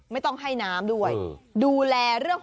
ไม่ต้องให้น้ำด้วยดูแลเรื่องของ